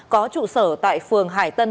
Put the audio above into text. có trụ sở tại phường hải tân